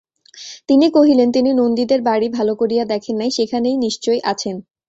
তিনি কহিলেন, তিনি নন্দীদের বাড়ি ভালো করিয়া দেখেন নাই, সেখানেই নিশ্চয় আচেন।